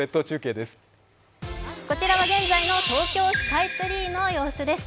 こちらは現在の東京スカイツリーの様子です。